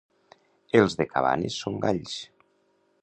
Els de Cabanes són galls.